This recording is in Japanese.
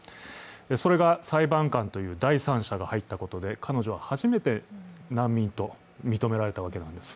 それが裁判官という第三者が入ったことで、彼女は初めて難民と認められたわけです。